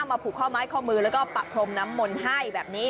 เอามาผูกข้อม้ายข้อมือแล้วก็ปรับพรมน้ำมนต์ให้แบบนี้